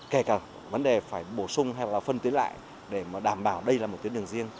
kể cả vấn đề phải bổ sung hay là phân tiến lại để mà đảm bảo đây là một tuyến đường riêng